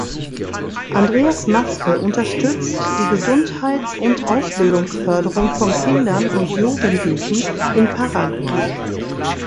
Andreas Maske unterstützt die Gesundheits- und Ausbildungsförderung von Kindern und Jugendlichen in Paraguay.